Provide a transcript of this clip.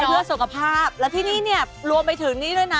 เพื่อสุขภาพและที่นี่เนี่ยรวมไปถึงนี่ด้วยนะ